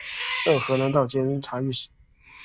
授河南道监察御史。